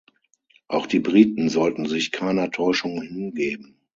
Auch die Briten sollten sich keiner Täuschung hingeben.